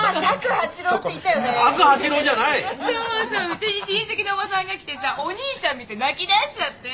うちに親戚のおばさんが来てさお兄ちゃん見て泣きだしちゃって。